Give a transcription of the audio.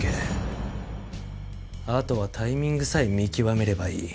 あとはタイミングさえ見極めればいい。